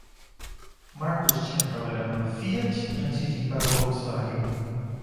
O Marcus tinha trabalhado na Fiat antes de ir para a Volkswagen.